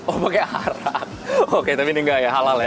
oh pakai arak oke tapi ini nggak ya halal ya